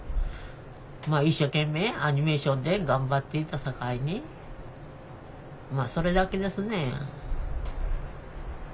一生懸命アニメーションで頑張っていたさかいにそれだけですね。